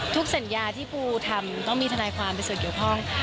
สัญญาที่ปูทำต้องมีทนายความเป็นส่วนเกี่ยวข้อง